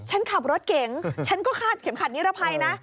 ฉันขับรถเก่งฉันก็คาดเข็มขัดนิรภัยนะ